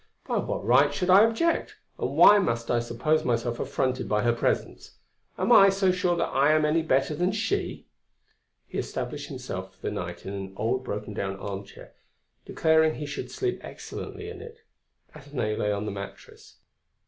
"By what right should I object? and why must I suppose myself affronted by her presence? am I so sure that I am any better than she?" He established himself for the night in an old broken down armchair, declaring he should sleep excellently in it. Athenaïs lay on the mattress.